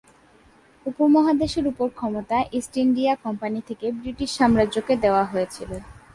উপমহাদেশের উপর ক্ষমতা ইস্ট ইন্ডিয়া কোম্পানি থেকে ব্রিটিশ সাম্রাজ্যকে দেওয়া হয়েছিল।